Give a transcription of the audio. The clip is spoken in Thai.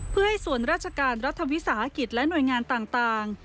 เพื่อให้ส่วนราชการรัฐวิสาหกิจและหน่วยงานต่าง